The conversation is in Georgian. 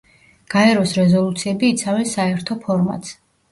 გაეროს რეზოლუციები იცავენ საერთო ფორმატს.